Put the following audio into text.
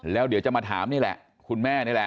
แล้วเดี๋ยวจะมาถามนี่แหละคุณแม่นี่แหละ